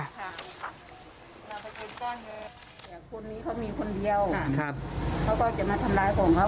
คนนี้เขามีคนเดียวครับเขาก็จะมาทำร้ายของเขา